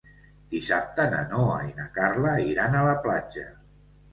Dissabte na Noa i na Carla iran a la platja.